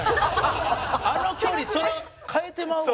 あの距離そりゃ変えてまうわ。